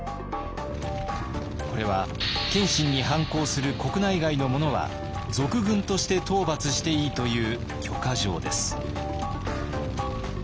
これは謙信に反抗する国内外の者は賊軍として討伐していいという許可状です。